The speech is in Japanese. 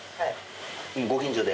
ご近所で？